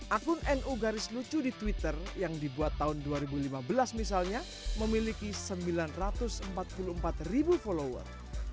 akun nu garis lucu di twitter yang dibuat tahun dua ribu lima belas misalnya memiliki sembilan ratus empat puluh empat ribu follower